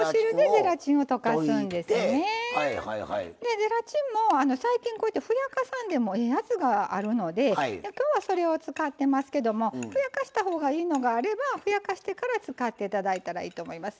ゼラチンも最近ふやかさんでもええやつがあるのできょうはそれを使ってますけどもふやかしたほうがいいのがあればふやかしてから使っていただいたらいいと思います。